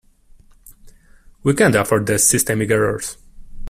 We can't afford these systemic errors.